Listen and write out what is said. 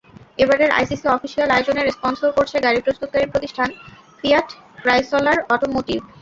এবারের ICC official আয়োজনের sponsor করছে গাড়ি প্রস্তুতকারী প্রতিষ্ঠান ফিয়াট ক্রাইসলার অটোমোটিভ।